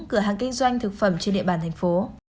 cửa hàng kinh doanh thực phẩm trên địa bàn thành phố